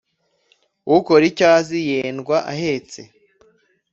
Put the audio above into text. Ukora icyo azi yendwa ahetse.